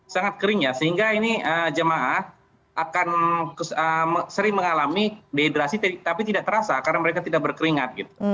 sangat kering ya sehingga ini jemaah akan sering mengalami dehidrasi tapi tidak terasa karena mereka tidak berkeringat